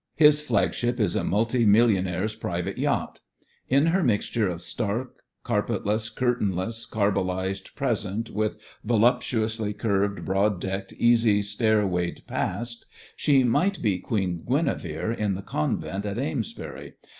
His flagship is a multi millionaire's private yacht. In her mixture of stark, carpetless, curtainless, carbolised present with voluptuously curved, broad decked, easy stairwayed past, she might be Queen Guinevere in the convent at Amesbury.